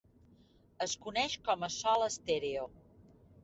Es coneix com a Sol Stereo.